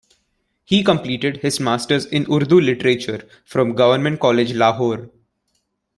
He completed his Masters in Urdu literature from Government College Lahore.